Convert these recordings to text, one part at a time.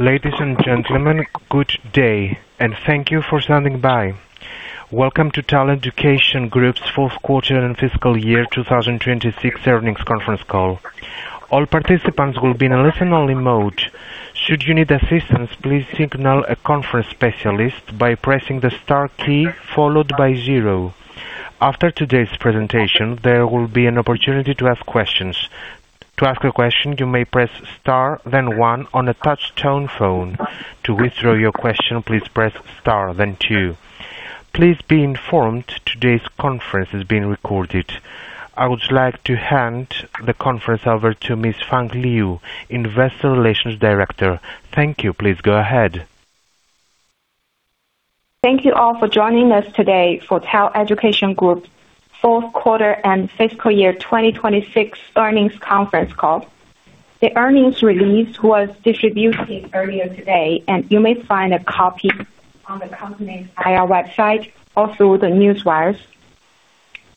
Ladies and gentlemen, good day, and thank you for standing by. Welcome to TAL Education Group's Q4 and fiscal year 2026 earnings conference call. All participants will be in a listen-only mode. Should you need assistance, please signal a conference specialist by pressing the star key followed by zero. After today's presentation, there will be an opportunity to ask questions. To ask a question, you may press star then one on a touch-tone phone. To withdraw your question, please press star then two. Please be informed today's conference is being recorded. I would like to hand the conference over to Ms. Fang Liu, Investor Relations Director. Thank you. Please go ahead. Thank you all for joining us today for TAL Education Group's Q4 and fiscal year 2026 earnings conference call. The earnings release was distributed earlier today, and you may find a copy on the company's IR website, or through the Newswires.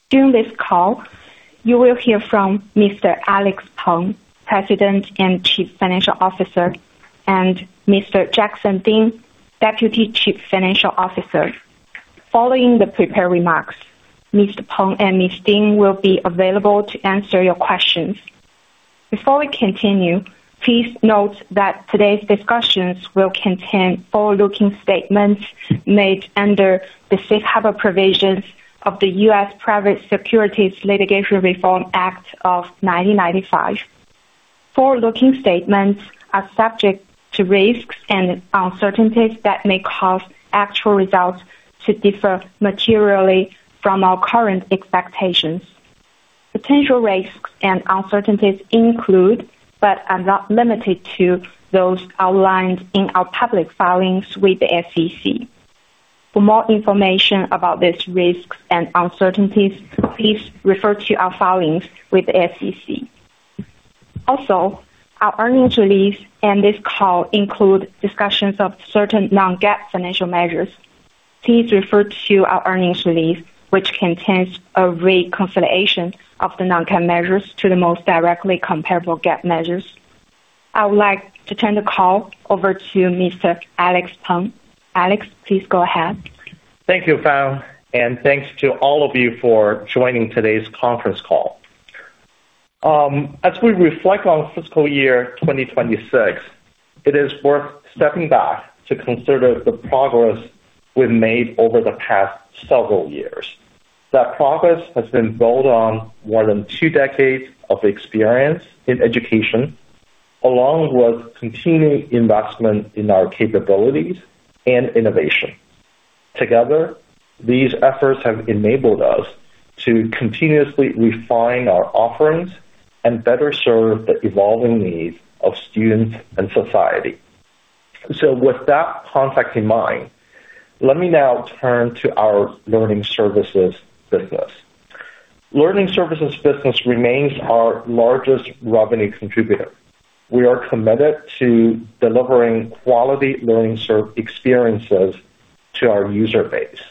During this call, you will hear from Mr. Alex Peng, President and Chief Financial Officer, and Mr. Jackson Ding, Deputy Chief Financial Officer. Following the prepared remarks, Mr. Peng and Mr. Ding will be available to answer your questions. Before we continue, please note that today's discussions will contain forward-looking statements made under the Safe Harbor Provisions of the U.S. Private Securities Litigation Reform Act of 1995. Forward-looking statements are subject to risks and uncertainties that may cause actual results to differ materially from our current expectations. Potential risks and uncertainties include, but are not limited to, those outlined in our public filings with the SEC. For more information about these risks and uncertainties, please refer to our filings with the SEC. Also, our earnings release and this call include discussions of certain non-GAAP financial measures. Please refer to our earnings release, which contains a reconciliation of the non-GAAP measures to the most directly comparable GAAP measures. I would like to turn the call over to Mr. Alex Peng. Alex, please go ahead. Thank you, Fang, and thanks to all of you for joining today's conference call. As we reflect on fiscal year 2026, it is worth stepping back to consider the progress we've made over the past several years. That progress has been built on more than two decades of experience in education, along with continued investment in our capabilities and innovation. Together, these efforts have enabled us to continuously refine our offerings and better serve the evolving needs of students and society. With that context in mind, let me now turn to our learning services business. Learning services business remains our largest revenue contributor. We are committed to delivering quality learning experiences to our user base.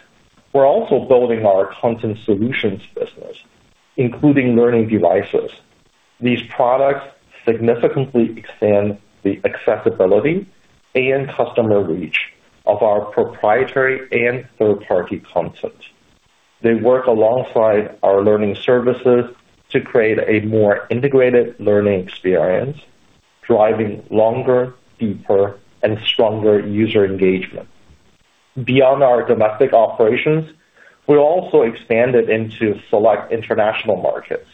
We're also building our content solutions business, including learning devices. These products significantly expand the accessibility and customer reach of our proprietary and third-party content. They work alongside our learning services to create a more integrated learning experience, driving longer, deeper, and stronger user engagement. Beyond our domestic operations, we also expanded into select international markets,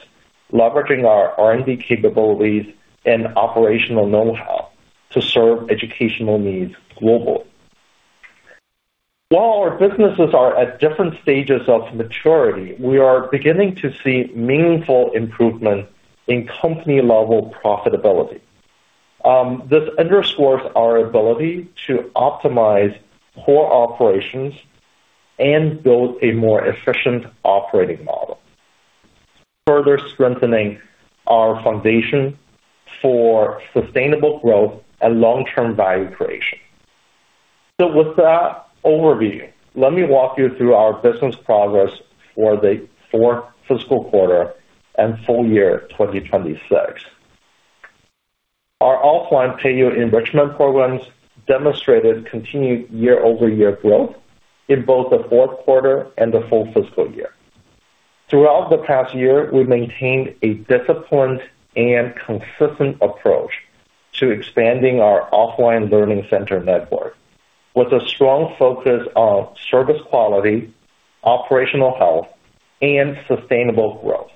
leveraging our R&D capabilities and operational know-how to serve educational needs globally. While our businesses are at different stages of maturity, we are beginning to see meaningful improvement in company-level profitability. This underscores our ability to optimize core operations and build a more efficient operating model, further strengthening our foundation for sustainable growth and long-term value creation. With that overview, let me walk you through our business progress for the fourth fiscal quarter and full year 2026. Our offline Peiyou enrichment programs demonstrated continued year-over-year growth in both the Q4 and the full fiscal year. Throughout the past year, we've maintained a disciplined and consistent approach to expanding our offline learning center network with a strong focus on service quality, operational health, and sustainable growth.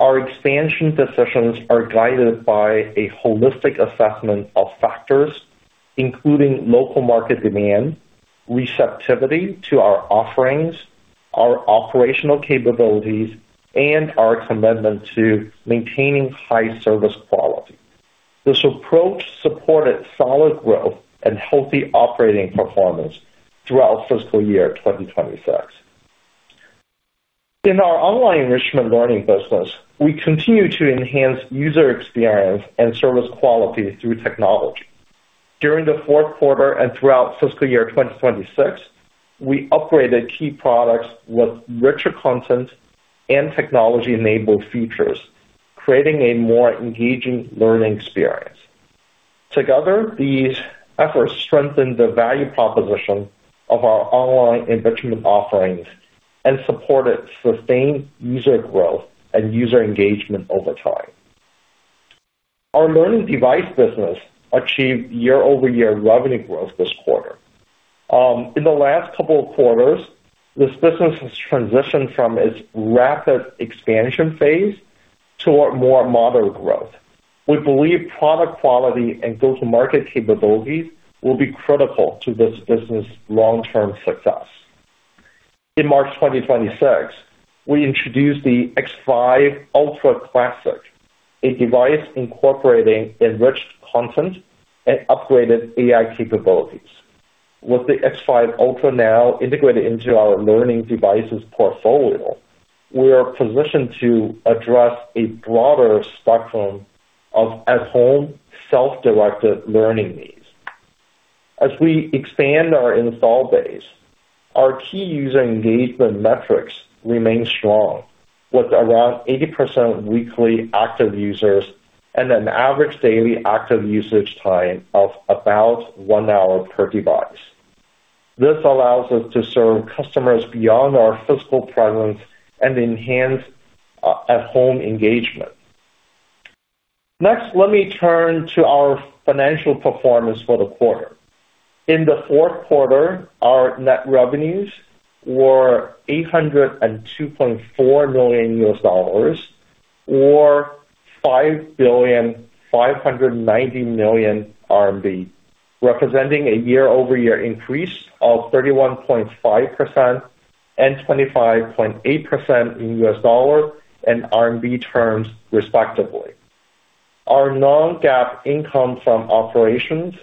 Our expansion decisions are guided by a holistic assessment of factors, including local market demand, receptivity to our offerings, our operational capabilities, and our commitment to maintaining high service quality. This approach supported solid growth and healthy operating performance throughout fiscal year 2026. In our online enrichment learning business, we continue to enhance user experience and service quality through technology. During the Q4 and throughout fiscal year 2026, we upgraded key products with richer content and technology-enabled features, creating a more engaging learning experience. Together, these efforts strengthen the value proposition of our online enrichment offerings and support a sustained user growth and user engagement over time. Our learning device business achieved year-over-year revenue growth this quarter. In the last couple of quarters, this business has transitioned from its rapid expansion phase to a more moderate growth. We believe product quality and go-to-market capabilities will be critical to this business' long-term success. In March 2026, we introduced the X5 Ultra Classic, a device incorporating enriched content and upgraded AI capabilities. With the X5 Ultra now integrated into our learning devices portfolio, we are positioned to address a broader spectrum of at-home self-directed learning needs. As we expand our install base, our key user engagement metrics remain strong, with around 80% weekly active users and an average daily active usage time of about one hour per device. This allows us to serve customers beyond our physical presence and enhance at-home engagement. Next, let me turn to our financial performance for the quarter. In the Q4, our net revenues were $802.4 million, or RMB 5,590,000,000, representing a year-over-year increase of 31.5% and 25.8% in U.S. dollar and RMB terms, respectively. Our non-GAAP income from operations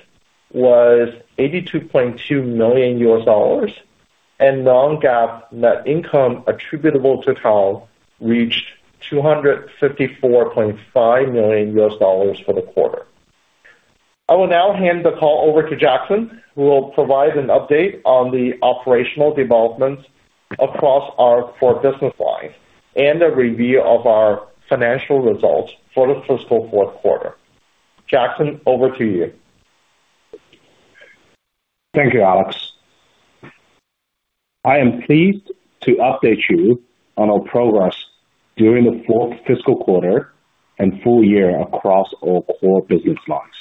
was $82.2 million, and non-GAAP net income attributable to TAL reached $254.5 million for the quarter. I will now hand the call over to Jackson, who will provide an update on the operational developments across our four business lines and a review of our financial results for the fiscal Q4. Jackson, over to you. Thank you, Alex. I am pleased to update you on our progress during the fourth fiscal quarter and full year across all core business lines.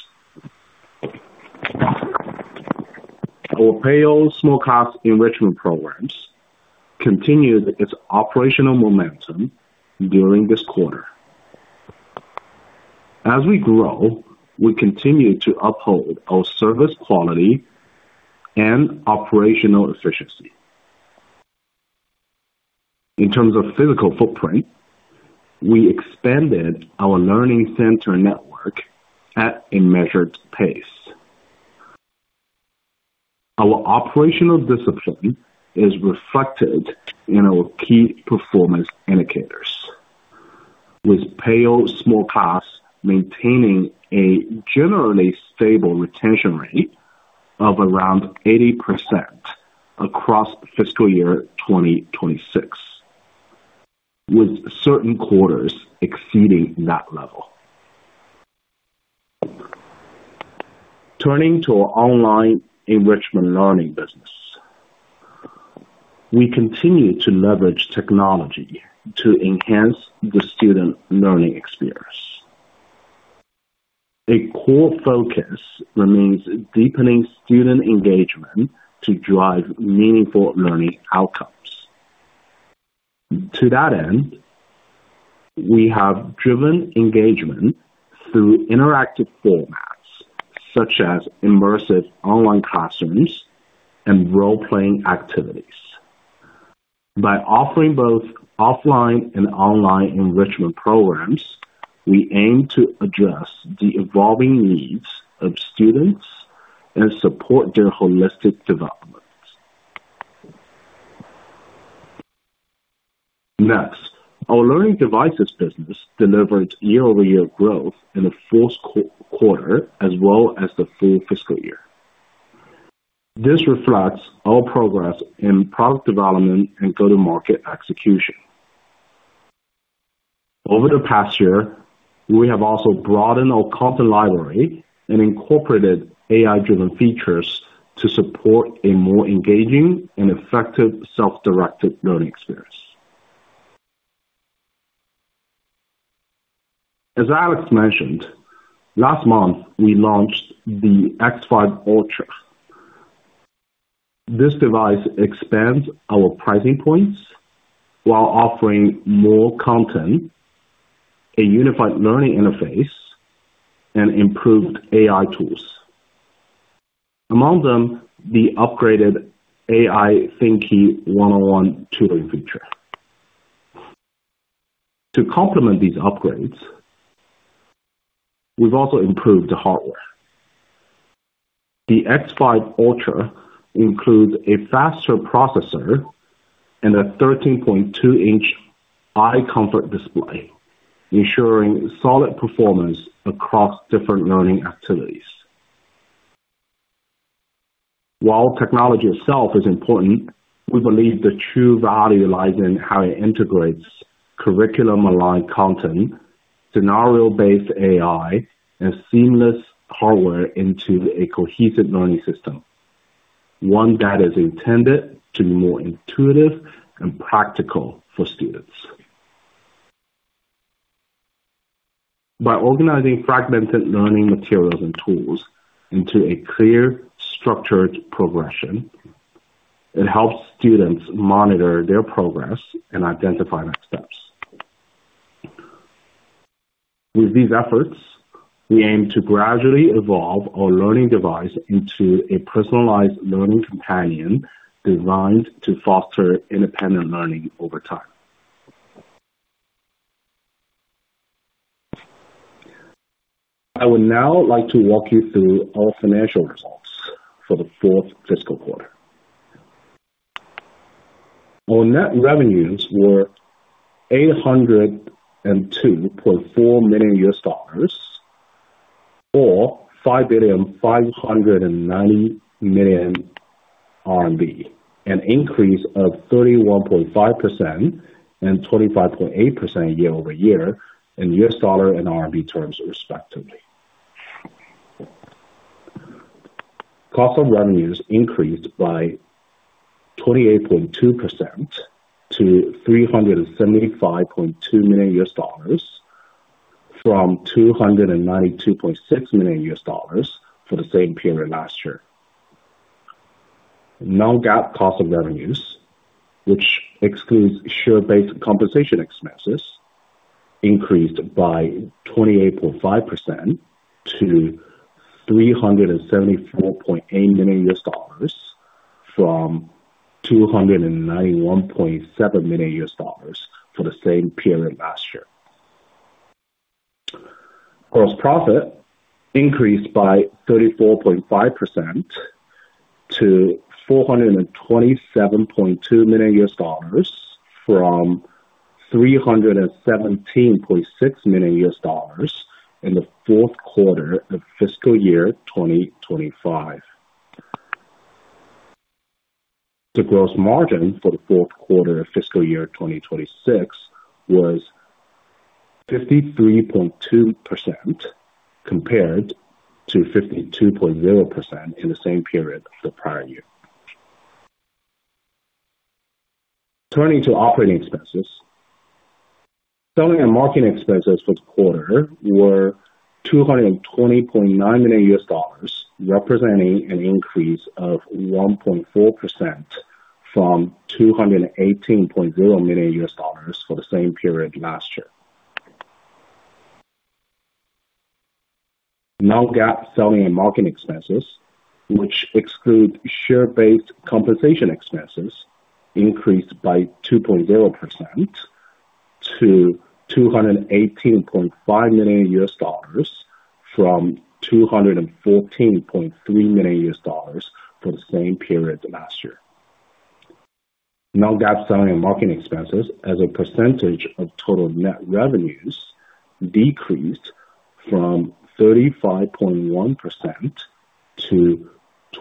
Our Peiyou Small Class enrichment programs continued its operational momentum during this quarter. As we grow, we continue to uphold our service quality and operational efficiency. In terms of physical footprint, we expanded our learning center network at a measured pace. Our operational discipline is reflected in our key performance indicators, with Peiyou Small Class maintaining a generally stable retention rate of around 80% across fiscal year 2026, with certain quarters exceeding that level. Turning to our online enrichment learning business. We continue to leverage technology to enhance the student learning experience. A core focus remains deepening student engagement to drive meaningful learning outcomes. To that end, we have driven engagement through interactive formats such as immersive online classrooms and role-playing activities. By offering both offline and online enrichment programs, we aim to address the evolving needs of students and support their holistic development. Next, our learning devices business delivered year-over-year growth in the Q4 as well as the full fiscal year. This reflects our progress in product development and go-to-market execution. Over the past year, we have also broadened our content library and incorporated AI-driven features to support a more engaging and effective self-directed learning experience. As Alex mentioned, last month, we launched the X5 Ultra. This device expands our pricing points while offering more content, a unified learning interface, and improved AI tools, among them the upgraded AI Think 101 tutoring feature. To complement these upgrades, we've also improved the hardware. The X5 Ultra includes a faster processor and a 13.2-inch eye comfort display, ensuring solid performance across different learning activities. While technology itself is important, we believe the true value lies in how it integrates curriculum-aligned content, scenario-based AI, and seamless hardware into a cohesive learning system, one that is intended to be more intuitive and practical for students. By organizing fragmented learning materials and tools into a clear structured progression, it helps students monitor their progress and identify next steps. With these efforts, we aim to gradually evolve our learning device into a personalized learning companion designed to foster independent learning over time. I would now like to walk you through our financial results for the fourth fiscal quarter. Our net revenues were $802.4 million, or RMB 5,590,000,000, an increase of 31.5% and 25.8% year-over-year in U.S. dollar and RMB terms, respectively. Cost of revenues increased by 28.2% to $375.2 million from $292.6 million for the same period last year. non-GAAP cost of revenues, which excludes share-based compensation expenses, increased by 28.5% to $374.8 million from $291.7 million for the same period last year. Gross profit increased by 34.5% to $427.2 million from $317.6 million in the Q4 of fiscal year 2025. The gross margin for the Q4 of fiscal year 2026 was 53.2%, compared to 52.0% in the same period the prior year. Turning to operating expenses. Selling and marketing expenses this quarter were $220.9 million, representing an increase of 1.4% from $218.0 million for the same period last year. non-GAAP selling and marketing expenses, which exclude share-based compensation expenses, increased by 2.0% to $218.5 million from $214.3 million for the same period last year. non-GAAP selling and marketing expenses as a percentage of total net revenues decreased from 35.1% to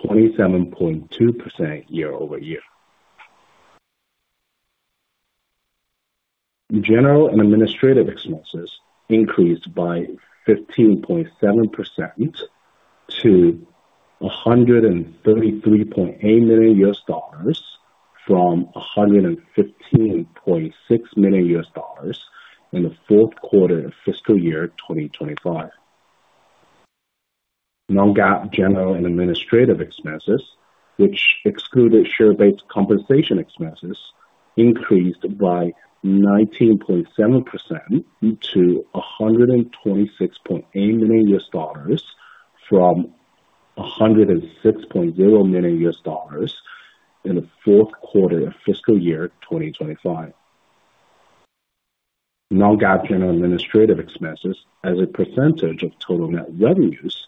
27.2% year-over-year. General and administrative expenses increased by 15.7% to $133.8 million from $115.6 million in the Q4 of fiscal year 2025. Non-GAAP general and administrative expenses, which excluded share-based compensation expenses, increased by 19.7% to $126.8 million from $106.0 million in the Q4 of fiscal year 2025. Non-GAAP general and administrative expenses as a percentage of total net revenues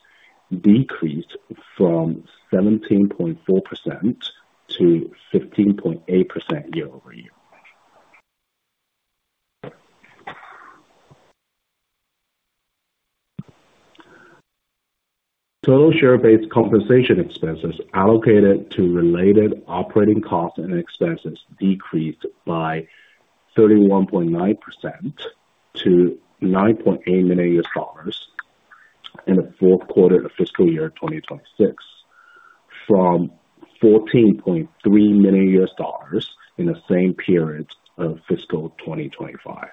decreased from 17.4% to 15.8% year-over-year. Total share-based compensation expenses allocated to related operating costs and expenses decreased by 31.9% to $9.8 million in the Q4 of fiscal year 2026 from $14.3 million in the same period of fiscal year 2025.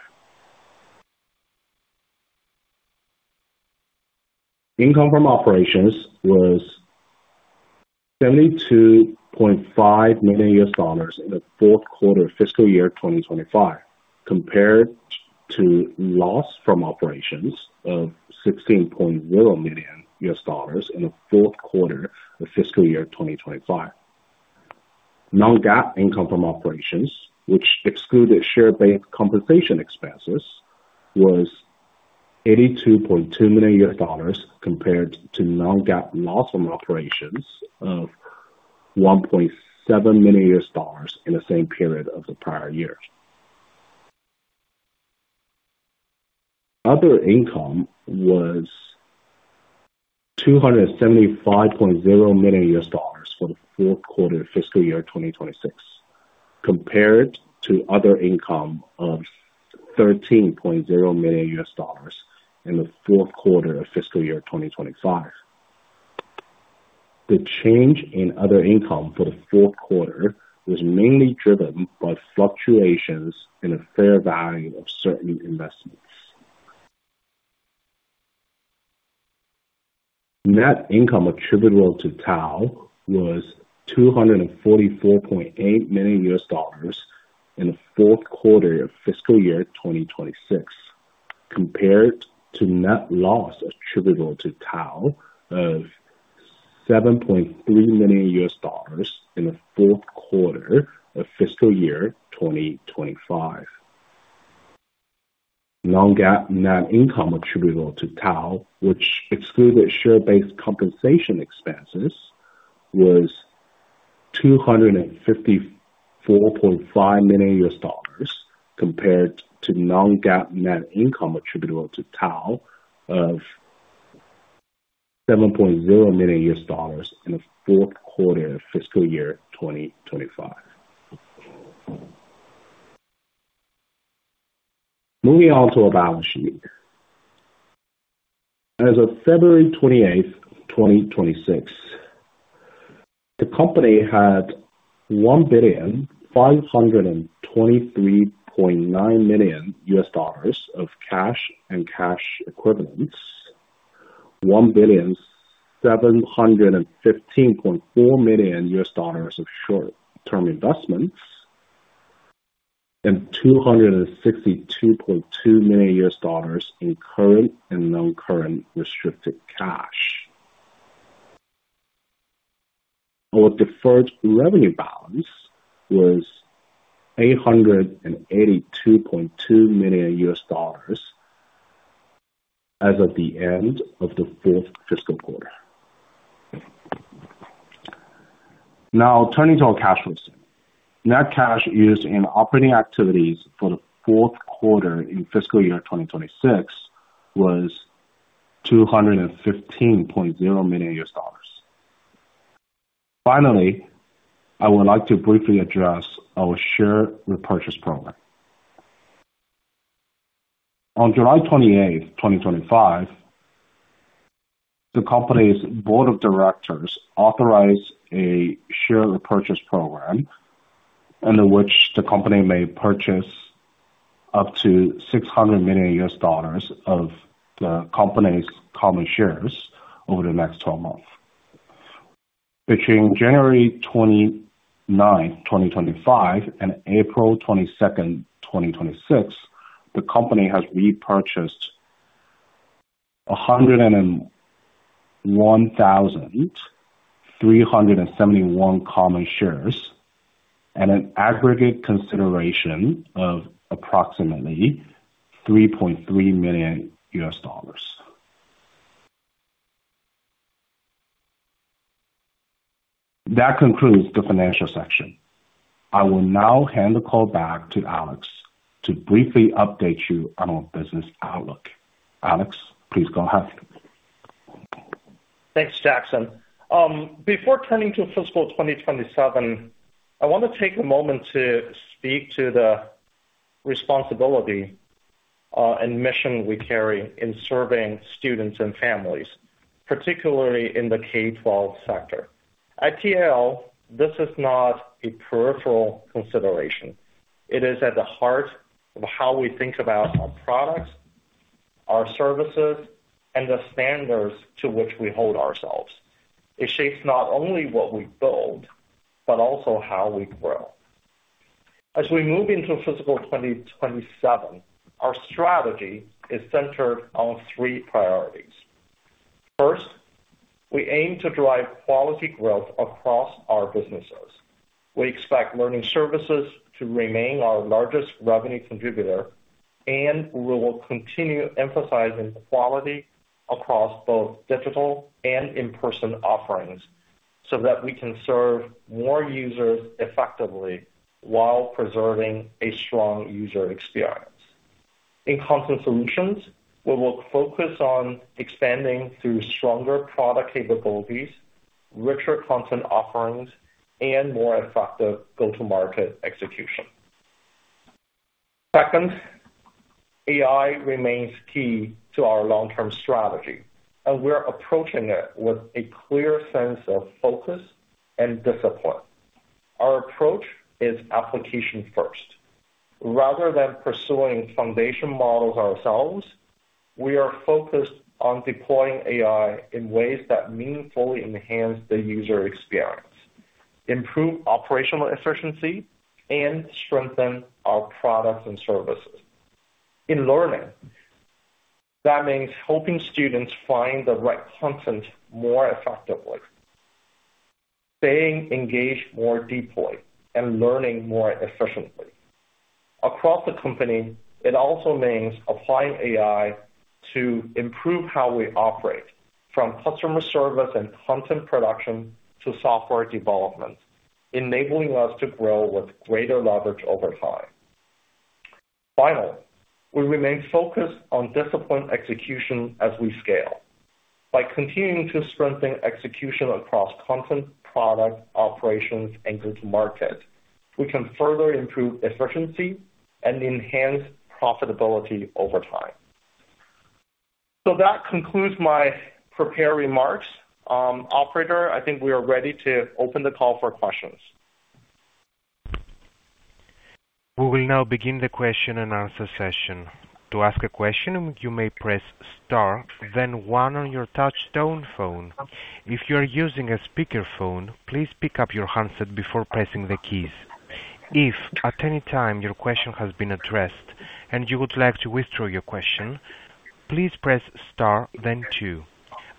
Income from operations was $72.5 million in the Q4 of fiscal year 2026, compared to loss from operations of $16.0 million in the Q4 of fiscal year 2025. Non-GAAP income from operations, which excluded share-based compensation expenses, was $82.2 million compared to non-GAAP loss from operations of $1.7 million in the same period of the prior year. Other income was $275.0 million for the Q4 of fiscal year 2026, compared to other income of $13.0 million in the Q4 of fiscal year 2025. The change in other income for the Q4 was mainly driven by fluctuations in the fair value of certain investments. Net income attributable to TAL was $244.8 million in the Q4 of fiscal year 2026, compared to net loss attributable to TAL of $7.3 million in the Q4 of fiscal year 2025. Non-GAAP net income attributable to TAL, which excluded share-based compensation expenses, was $254.5 million, compared to non-GAAP net income attributable to TAL of $7.0 million in the Q4 of fiscal year 2025. Moving on to our balance sheet. As of February 28th, 2026, the company had $1,523.9 million of cash and cash equivalents, $1,715.4 million of short-term investments, and $262.2 million in current and non-current restricted cash. Our deferred revenue balance was $882.2 million as of the end of the fourth fiscal quarter. Now turning to our cash flow. Net cash used in operating activities for the Q4 in fiscal year 2026 was $215.0 million. Finally, I would like to briefly address our share repurchase program. On July 28th, 2025, the company's board of directors authorized a share repurchase program under which the company may purchase up to $600 million of the company's common shares over the next 12 months. Between January 29th, 2025, and April 22nd, 2026, the company has repurchased 101,371 common shares at an aggregate consideration of approximately $3.3 million. That concludes the financial section. I will now hand the call back to Alex to briefly update you on our business outlook. Alex, please go ahead. Thanks, Jackson. Before turning to fiscal 2027, I want to take a moment to speak to the responsibility and mission we carry in serving students and families, particularly in the K-12 sector. At TAL, this is not a peripheral consideration. It is at the heart of how we think about our products, our services, and the standards to which we hold ourselves. It shapes not only what we build, but also how we grow. As we move into fiscal 2027, our strategy is centered on three priorities. First, we aim to drive quality growth across our businesses. We expect learning services to remain our largest revenue contributor, and we will continue emphasizing quality across both digital and in-person offerings so that we can serve more users effectively while preserving a strong user experience. In content solutions, we will focus on expanding through stronger product capabilities, richer content offerings, and more effective go-to-market execution. Second, AI remains key to our long-term strategy, and we're approaching it with a clear sense of focus and discipline. Our approach is application-first. Rather than pursuing foundation models ourselves, we are focused on deploying AI in ways that meaningfully enhance the user experience, improve operational efficiency, and strengthen our products and services. In learning, that means helping students find the right content more effectively, staying engaged more deeply, and learning more efficiently. Across the company, it also means applying AI to improve how we operate, from customer service and content production to software development, enabling us to grow with greater leverage over time. Finally, we remain focused on disciplined execution as we scale. By continuing to strengthen execution across content, product, operations, and go-to-market, we can further improve efficiency and enhance profitability over time. That concludes my prepared remarks. Operator, I think we are ready to open the call for questions. We will now begin the question and answer session. To ask a question, you may press star then one on your touch tone phone. If you are using a speakerphone, please pick up your handset before pressing the keys. If at any time your question has been addressed and you would like to withdraw your question, please press star then two.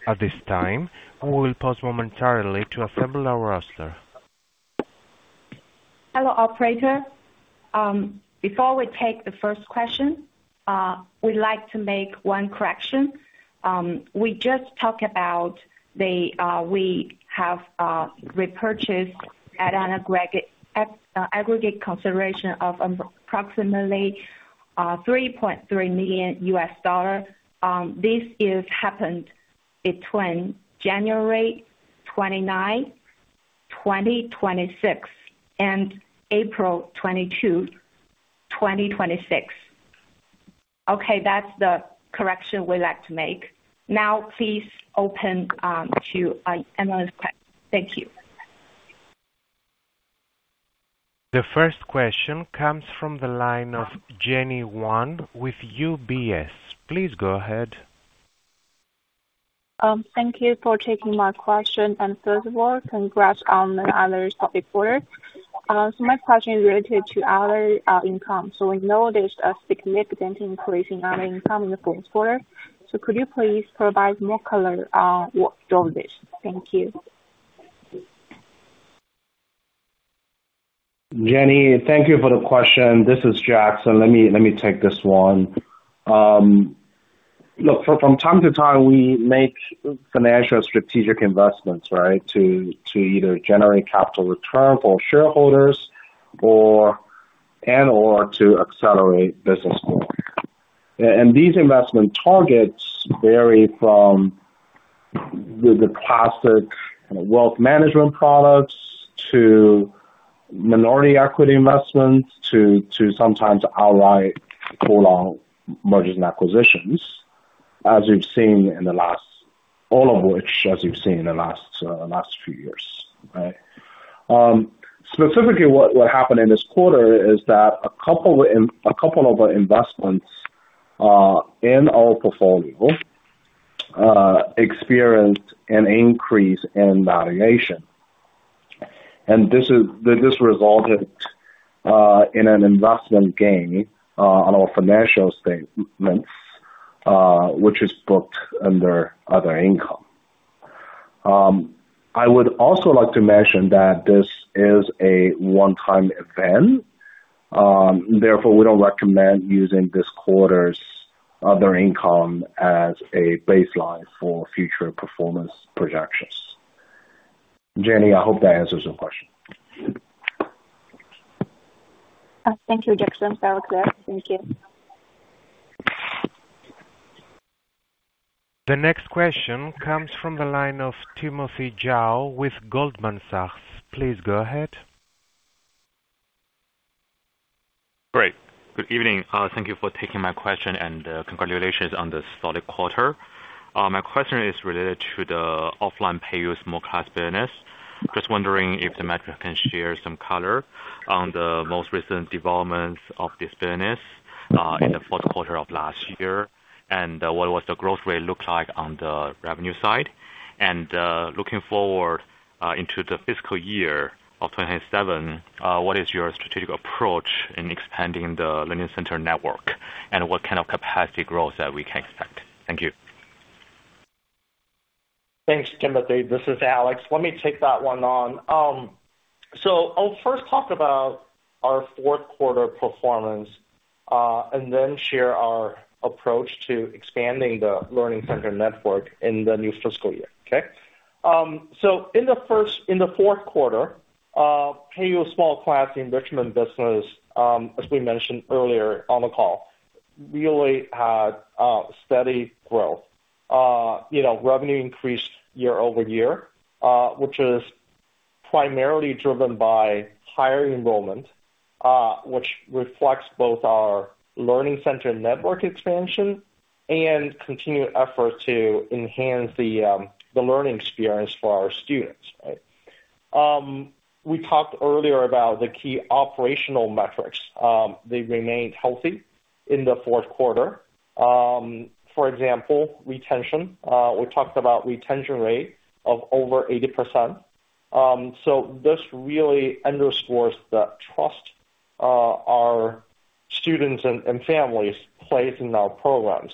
At this time, we will pause momentarily to assemble our roster. Hello, operator. Before we take the first question, we'd like to make one correction. We just talked about we have repurchased at an aggregate consideration of approximately $3.3 million. This happened between January 29th, 2026 and April 22nd, 2026. Okay. That's the correction we'd like to make. Now please open to analyst questions. Thank you. The first question comes from the line of Jenny Yuan with UBS. Please go ahead. Thank you for taking my question. First of all, congrats on another solid quarter. My question is related to other income. Could you please provide more color on what drove this? Thank you. Jenny, thank you for the question. This is Jackson. Let me take this one. Look, from time to time, we make financial strategic investments, right? To either generate capital return for shareholders and/or to accelerate business growth. These investment targets vary from the classic wealth management products to minority equity investments to sometimes outright full-on mergers and acquisitions, all of which, as you've seen in the last few years. Right? Specifically what happened in this quarter is that a couple of investments in our portfolio experienced an increase in valuation. This resulted in an investment gain on our financial statements, which is booked under other income. I would also like to mention that this is a one-time event. Therefore, we don't recommend using this quarter's other income as a baseline for future performance projections. Jenny, I hope that answers your question. Thank you, Jackson. That was clear. Thank you. The next question comes from the line of Timothy Zhao with Goldman Sachs. Please go ahead. Great. Good evening. Thank you for taking my question and congratulations on the solid quarter. My question is related to the offline Peiyou small class business. Just wondering if management can share some color on the most recent developments of this business, in the Q4 of last year, and what was the growth rate look like on the revenue side. Looking forward into the fiscal year of 2027, what is your strategic approach in expanding the learning center network, and what kind of capacity growth that we can expect? Thank you. Thanks, Timothy Zhao. This is Alex Peng. Let me take that one on. I'll first talk about our Q4 performance, and then share our approach to expanding the learning center network in the new fiscal year. Okay? In the Q4, Peiyou Small Class enrichment business, as we mentioned earlier on the call, really had steady growth. Revenue increased year-over-year, which is primarily driven by higher enrollment, which reflects both our learning center network expansion and continued effort to enhance the learning experience for our students. Right? We talked earlier about the key operational metrics. They remained healthy in the Q4. For example, retention, we talked about retention rate of over 80%. This really underscores the trust our students and families place in our programs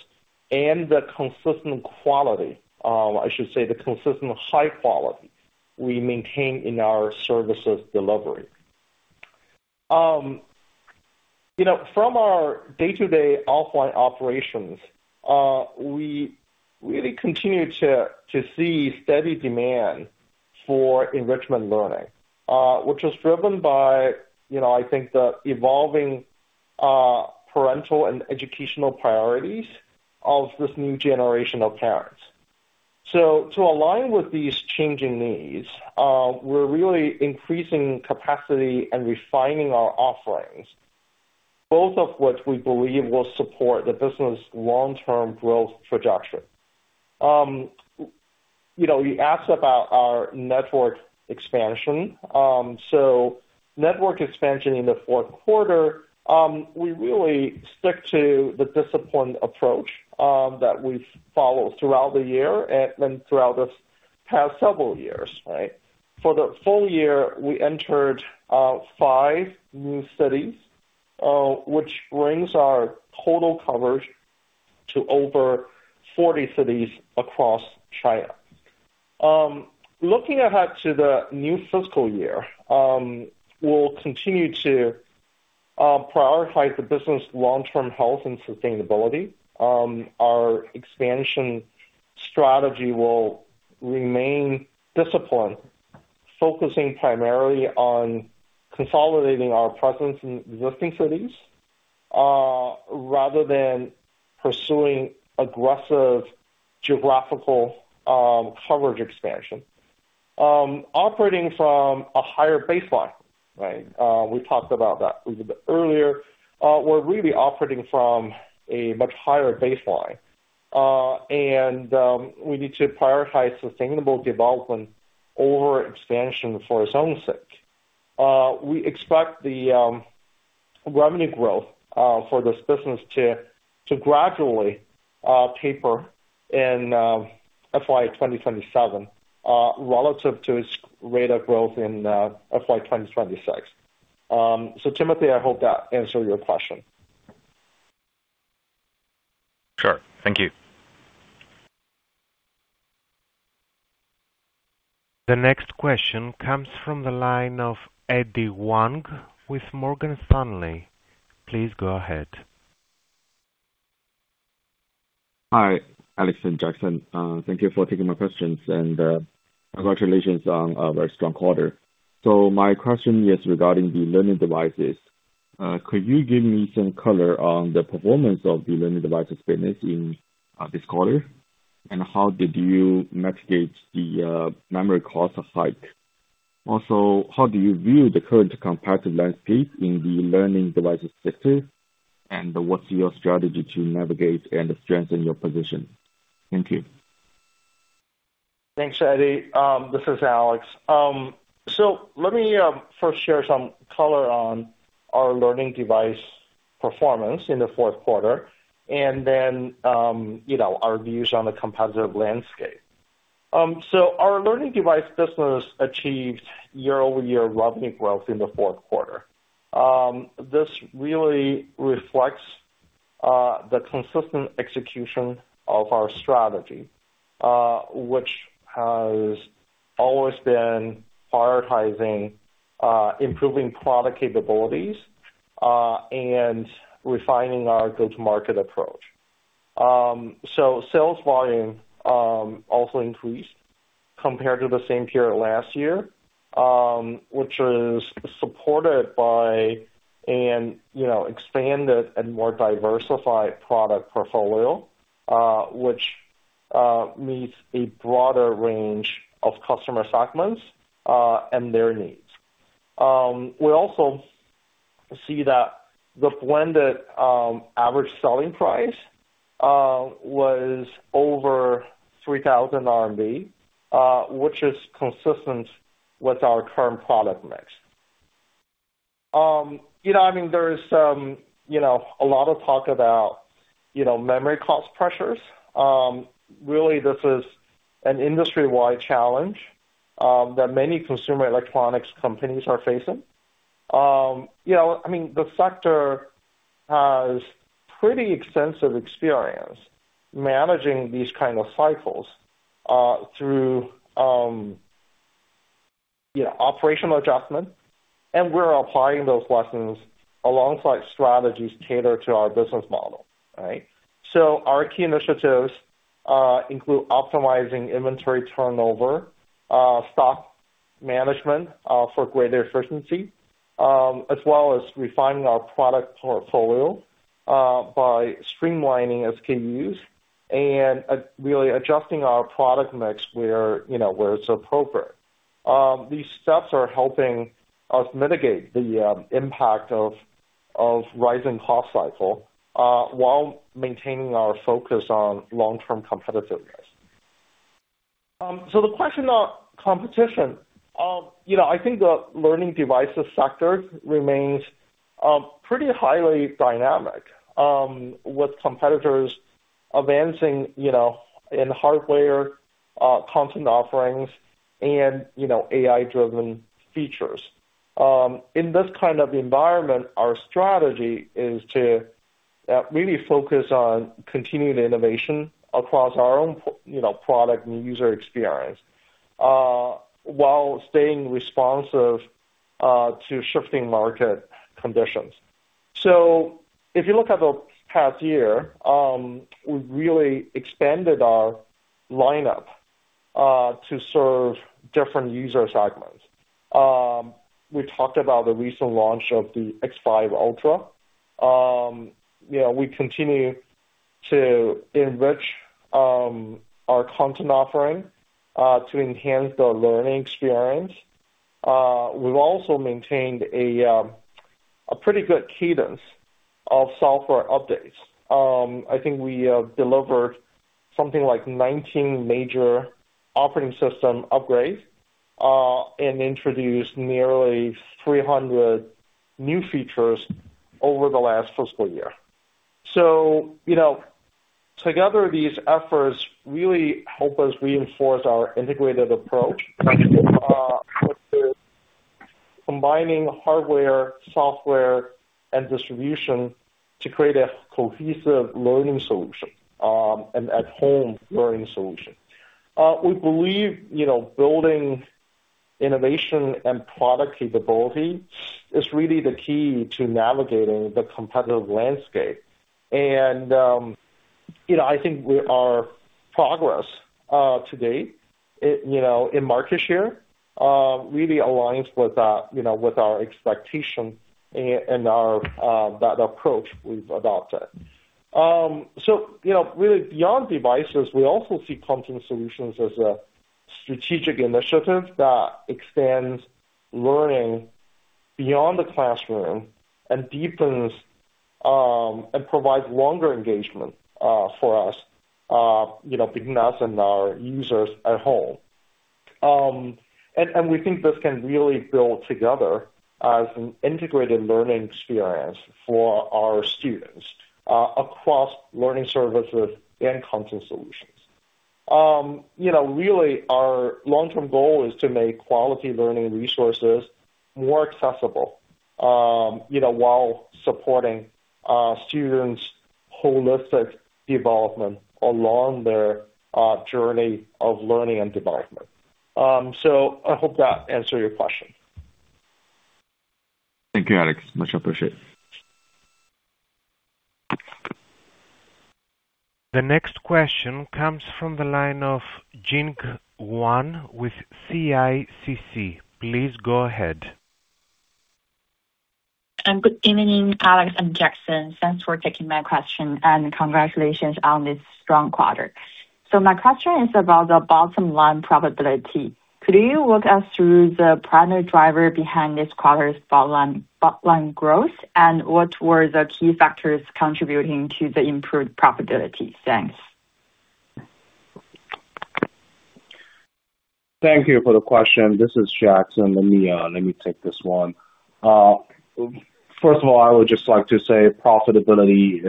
and the consistent quality, I should say the consistent high quality we maintain in our service delivery. From our day-to-day offline operations, we really continue to see steady demand for enrichment learning, which is driven by, I think, the evolving parental and educational priorities of this new generation of parents. To align with these changing needs, we're really increasing capacity and refining our offerings, both of which we believe will support the business' long-term growth projection. You asked about our network expansion. Network expansion in the Q4, we really stick to the disciplined approach that we follow throughout the year and throughout this past several years, right? For the full year, we entered five new cities, which brings our total coverage to over 40 cities across China. Looking ahead to the new fiscal year, we'll continue to prioritize the business' long-term health and sustainability. Our expansion strategy will remain disciplined, focusing primarily on consolidating our presence in existing cities, rather than pursuing aggressive geographical coverage expansion. Operating from a higher baseline, we talked about that a little bit earlier. We're really operating from a much higher baseline. We need to prioritize sustainable development over expansion for its own sake. We expect the revenue growth for this business to gradually taper in FY 2027 relative to its rate of growth in FY 2026. Timothy, I hope that answered your question. Sure. Thank you. The next question comes from the line of Eddy Wang with Morgan Stanley. Please go ahead. Hi, Alex and Jackson. Thank you for taking my questions and congratulations on a very strong quarter. My question is regarding the learning devices. Could you give me some color on the performance of the learning devices business in this quarter, and how did you mitigate the memory cost hike? Also, how do you view the current competitive landscape in the learning devices sector, and what's your strategy to navigate and strengthen your position? Thank you. Thanks, Eddy. This is Alex Peng. Let me first share some color on our learning device performance in the Q4 and then our views on the competitive landscape. Our learning device business achieved year-over-year revenue growth in the Q4. This really reflects the consistent execution of our strategy, which has always been prioritizing improving product capabilities, and refining our go-to-market approach. Sales volume also increased compared to the same period last year, which is supported by an expanded and more diversified product portfolio, which meets a broader range of customer segments, and their needs. We also see that the blended average selling price was over 3,000 RMB, which is consistent with our current product mix. There's a lot of talk about memory cost pressures. Really, this is an industry-wide challenge that many consumer electronics companies are facing. The sector has pretty extensive experience managing these kind of cycles through operational adjustments, and we're applying those lessons alongside strategies tailored to our business model, right? Our key initiatives include optimizing inventory turnover, stock management for greater efficiency, as well as refining our product portfolio, by streamlining SKUs and really adjusting our product mix where it's appropriate. These steps are helping us mitigate the impact of rising cost cycle, while maintaining our focus on long-term competitiveness. The question on competition. I think the learning devices sector remains pretty highly dynamic, with competitors advancing in hardware, content offerings, and AI-driven features. In this kind of environment, our strategy is to really focus on continued innovation across our own product and user experience, while staying responsive to shifting market conditions. If you look at the past year, we've really expanded our lineup to serve different user segments. We talked about the recent launch of the X5 Ultra. We continue to enrich our content offering to enhance the learning experience. We've also maintained a pretty good cadence of software updates. I think we delivered something like 19 major operating system upgrades, and introduced nearly 300 new features over the last fiscal year. Together, these efforts really help us reinforce our integrated approach combining hardware, software, and distribution to create a cohesive learning solution, and at home learning solution. We believe building innovation and product capability is really the key to navigating the competitive landscape. I think our progress to date in market share really aligns with our expectation and that approach we've adopted. Really beyond devices, we also see content solutions as a strategic initiative that extends learning beyond the classroom and deepens and provides longer engagement for us, between us and our users at home. We think this can really build together as an integrated learning experience for our students, across learning services and content solutions. Really, our long-term goal is to make quality learning resources more accessible, while supporting students' holistic development along their journey of learning and development. I hope that answer your question. Thank you, Alex, much appreciate. The next question comes from the line of Jin Wang with CICC. Please go ahead. Good evening, Alex and Jackson. Thanks for taking my question, and congratulations on this strong quarter. My question is about the bottom line profitability. Could you walk us through the primary driver behind this quarter's bottom line growth, and what were the key factors contributing to the improved profitability? Thanks. Thank you for the question. This is Jackson. Let me take this one. First of all, I would just like to say profitability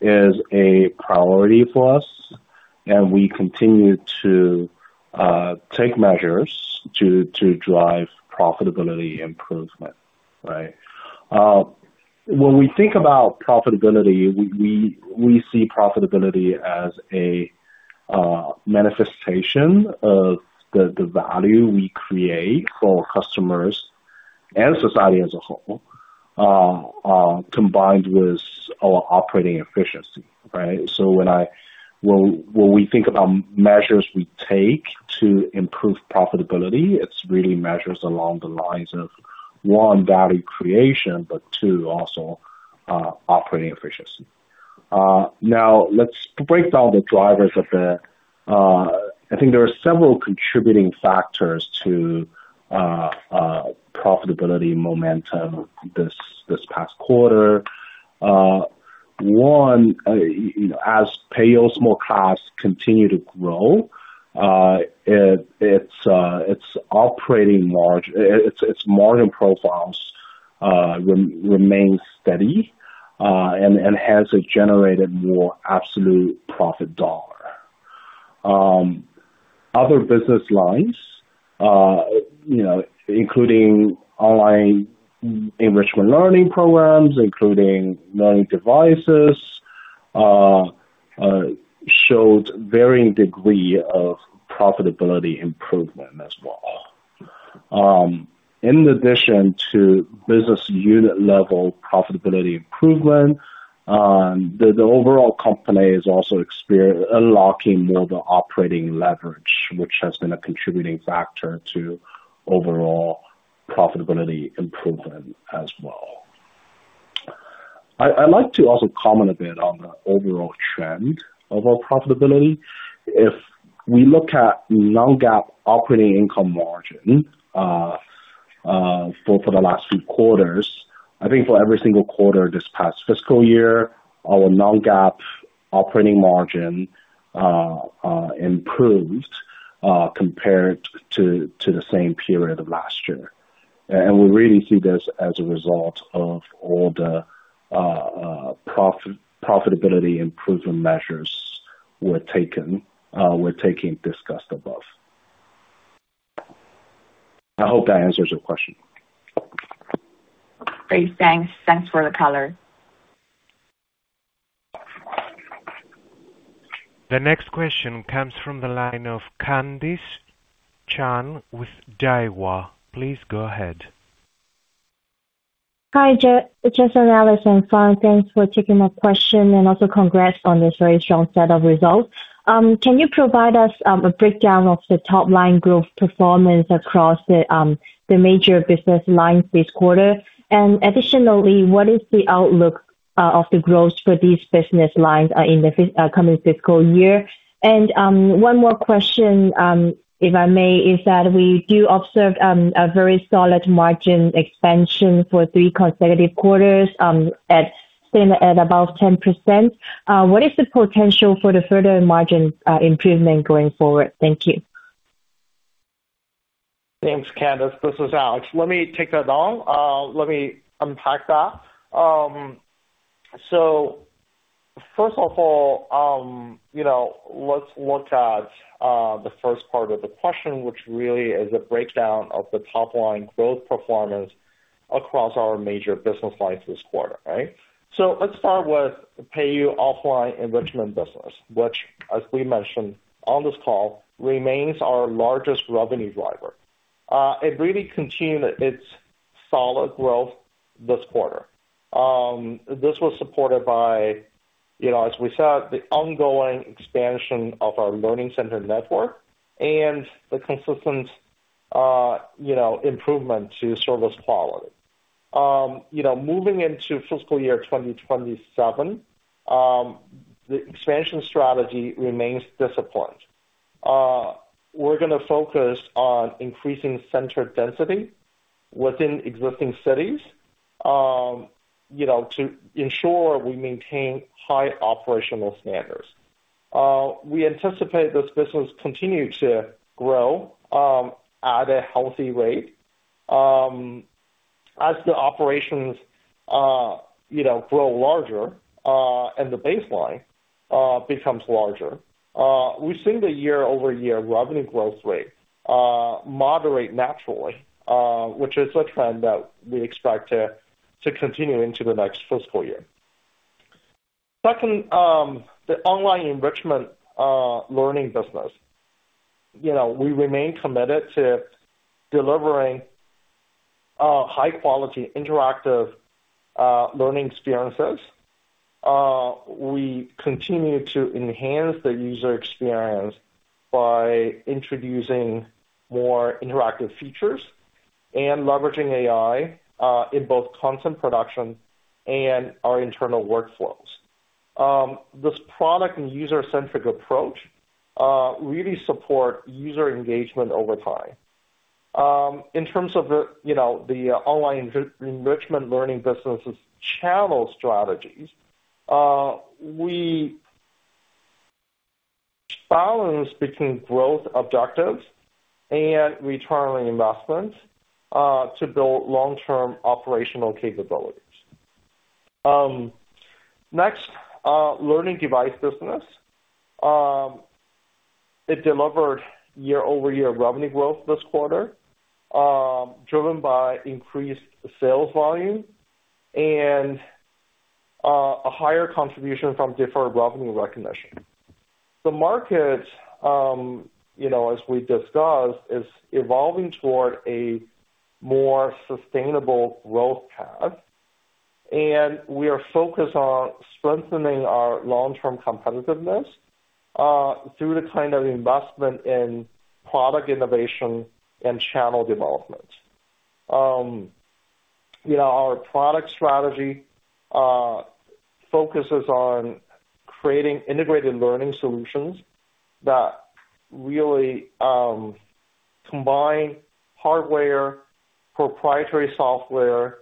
is a priority for us, and we continue to take measures to drive profitability improvement. Right? When we think about profitability, we see profitability as a manifestation of the value we create for customers and society as a whole, combined with our operating efficiency. Right? When we think about measures we take to improve profitability, it's really measures along the lines of, one, value creation, but two, also operating efficiency. Now let's break down the drivers. I think there are several contributing factors to profitability momentum this past quarter. One, as Peiyou Small Class continue to grow, its operating leverage, its margin profiles remain steady and has generated more absolute profit dollar. Other business lines including online enrichment learning programs, including learning devices, showed varying degree of profitability improvement as well. In addition to business unit level profitability improvement, the overall company is also unlocking more of the operating leverage, which has been a contributing factor to overall profitability improvement as well. I'd like to also comment a bit on the overall trend of our profitability. If we look at non-GAAP operating income margin, for the last few quarters, I think for every single quarter this past fiscal year, our non-GAAP operating margin improved compared to the same period of last year. We really see this as a result of all the profitability improvement measures we're taking, discussed above. I hope that answers your question. Great. Thanks. Thanks for the color. The next question comes from the line of Candis Chan with Daiwa. Please go ahead. Hi, Jackson, Alex, and Fang. Thanks for taking my question, and also congrats on this very strong set of results. Can you provide us a breakdown of the top-line growth performance across the major business lines this quarter? Additionally, what is the outlook of the growth for these business lines in the coming fiscal year? One more question, if I may, is that we do observe a very solid margin expansion for three consecutive quarters, staying at above 10%. What is the potential for the further margin improvement going forward? Thank you. Thanks, Candis. This is Alex Peng. Let me take that on. Let me unpack that. First of all, let's look at the first part of the question, which really is a breakdown of the top-line growth performance across our major business lines this quarter. Right? Let's start with the Peiyou offline enrichment business, which, as we mentioned on this call, remains our largest revenue driver. It really continued its solid growth this quarter. This was supported by, as we said, the ongoing expansion of our learning center network and the consistent improvement to service quality. Moving into fiscal year 2027, the expansion strategy remains disciplined. We're going to focus on increasing center density within existing cities to ensure we maintain high operational standards. We anticipate this business continue to grow at a healthy rate. As the operations grow larger and the baseline becomes larger, we've seen the year-over-year revenue growth rate moderate naturally, which is a trend that we expect to continue into the next fiscal year. Second, the online enrichment learning business. We remain committed to delivering high-quality interactive learning experiences. We continue to enhance the user experience by introducing more interactive features and leveraging AI, in both content production and our internal workflows. This product and user-centric approach really support user engagement over time. In terms of the online enrichment learning business' channel strategies, we balance between growth objectives and return on investment to build long-term operational capabilities. Next, learning device business. It delivered year-over-year revenue growth this quarter, driven by increased sales volume and a higher contribution from deferred revenue recognition. The market, as we discussed, is evolving toward a more sustainable growth path, and we are focused on strengthening our long-term competitiveness through the kind of investment in product innovation and channel development. Our product strategy focuses on creating integrated learning solutions that really combine hardware, proprietary software,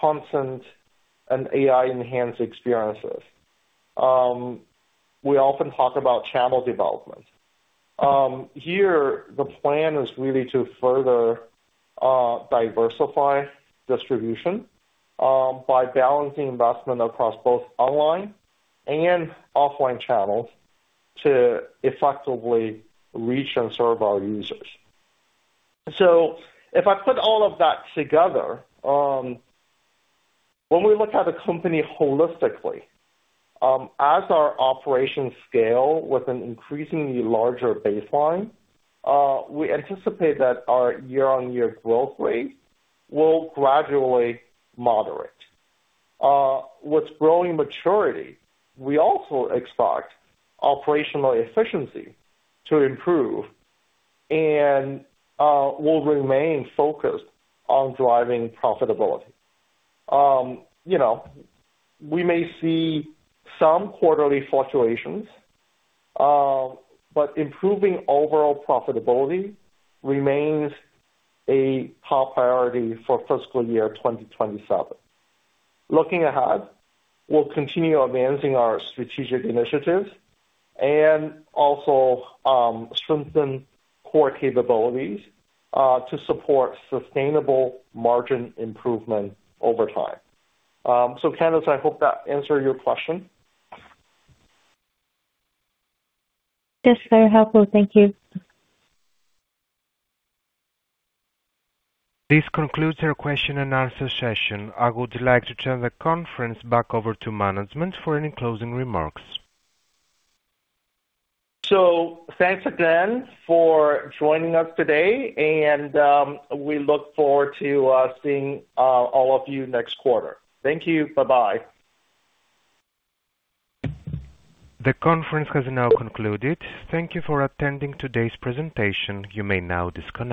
content, and AI-enhanced experiences. We often talk about channel development. Here, the plan is really to further diversify distribution by balancing investment across both online and offline channels to effectively reach and serve our users. If I put all of that together, when we look at a company holistically, as our operations scale with an increasingly larger baseline, we anticipate that our year-on-year growth rate will gradually moderate. With growing maturity, we also expect operational efficiency to improve and will remain focused on driving profitability. We may see some quarterly fluctuations, but improving overall profitability remains a top priority for fiscal year 2027. Looking ahead, we'll continue advancing our strategic initiatives and also strengthen core capabilities to support sustainable margin improvement over time. Candis, I hope that answered your question. Yes. Very helpful. Thank you. This concludes our question and answer session. I would like to turn the conference back over to management for any closing remarks. Thanks again for joining us today, and we look forward to seeing all of you next quarter. Thank you. Bye-bye. The conference has now concluded. Thank you for attending today's presentation. You may now disconnect.